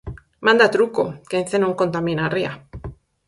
¡Manda truco!, que Ence non contamina a ría.